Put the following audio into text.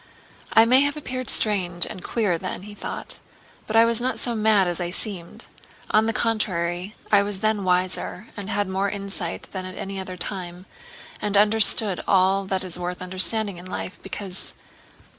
"I may have appeared strange and queer then," he thought, "but I was not so mad as I seemed. On the contrary I was then wiser and had more insight than at any other time, and understood all that is worth understanding in life, because...